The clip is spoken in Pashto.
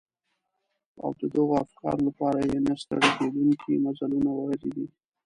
او د دغو افکارو لپاره يې نه ستړي کېدونکي مزلونه وهلي دي.